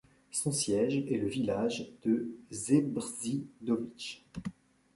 Son siège est le village de Zebrzydowice.